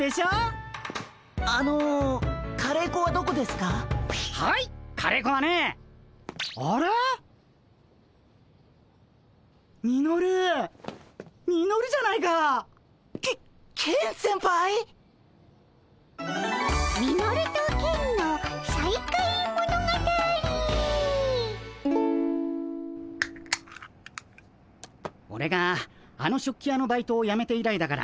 オレがあの食器屋のバイトをやめて以来だから１年ぶりくらいか？